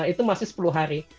itu masih sepuluh hari